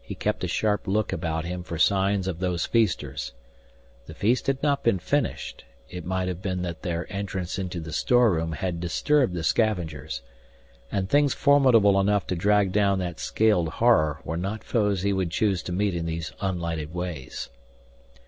He kept a sharp look about him for signs of those feasters. The feast had not been finished it might have been that their entrance into the storeroom had disturbed the scavengers. And things formidable enough to drag down that scaled horror were not foes he would choose to meet in these unlighted ways.